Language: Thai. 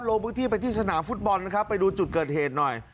ลงพื้นที่ไปที่สนามฟุตบอลนะครับไปดูจุดเกิดเหตุหน่อย